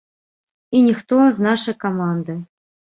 І ніхто з нашай каманды.